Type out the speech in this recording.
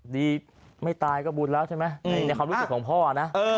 ดีไม่ตายก็บุญแล้วใช่ไหมในความรู้สึกของพ่อนะ